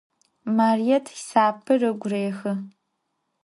Marıêt hisapır ıgu rêhı.